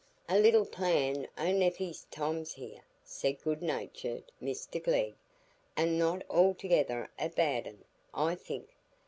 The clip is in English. "A little plan o' nephey Tom's here," said good natured Mr Glegg; "and not altogether a bad 'un, I think.